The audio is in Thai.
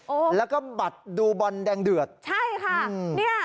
แล้วก็บัตรดูบอลแดงเดือดใช่ค่ะเนี่ย